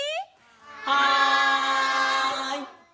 はい！